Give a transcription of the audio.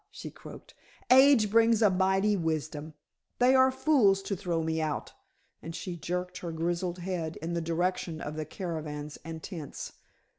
she croaked. "Age brings a mighty wisdom. They were fools to throw me out," and she jerked her grizzled head in the direction of the caravans and tents.